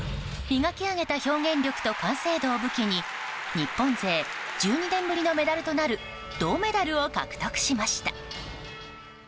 磨き上げた表現力と完成度を武器に日本勢１２年ぶりのメダルとなる銅メダルを獲得しました。